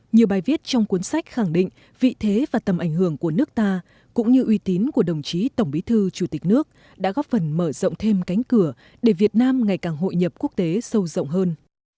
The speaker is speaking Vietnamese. nhiều bài viết trong cuốn sách khẳng định vị thế và tầm ảnh hưởng của nước ta cũng như uy tín của đồng chí tổng bí thư chủ tịch nước đã góp phần mở rộng thêm cánh cửa để việt nam ngày càng hội nhập quốc tế sâu rộng hơn